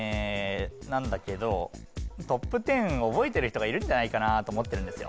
なんだけどトップ１０覚えてる人がいるんじゃないかなあと思ってるんですよ